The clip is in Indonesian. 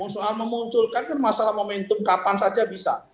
soal memunculkan kan masalah momentum kapan saja bisa